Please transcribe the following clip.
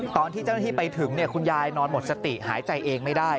ตอนที่เจ้าหน้าที่ไปถึงคุณยายนอนหมดสติหายใจเองไม่ได้